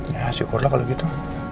ya syukur lah kalau gitu